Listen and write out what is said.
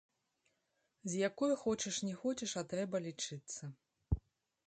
З якой, хочаш не хочаш, а трэба лічыцца.